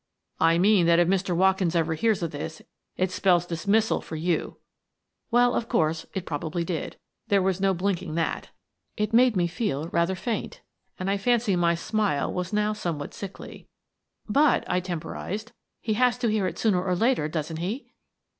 " I mean that if Mr. Watkins ever hears of this, it spells dismissal for you." Well, of course it probably did. There was no 40 Miss Frances Baird, Detective blinking that. It made me feel rather faint, and I fancy my smile was now somewhat sickly. " But," I temporized, " he has to hear it sooner or later, doesn't he?"